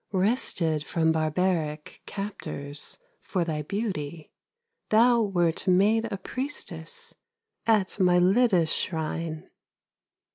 Wrested from barbaric Captors for thy beauty, Thou wert made a priestess At Mylitta's shrine.